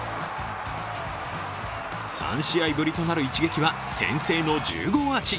３試合ぶりとなる一撃は先制の１０号アーチ。